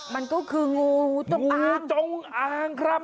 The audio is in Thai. มันก็คืองูจงอางงูจงอางครับ